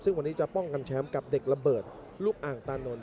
ซึ่งวันนี้จะป้องกันแชมป์กับเด็กระเบิดลูกอ่างตานนท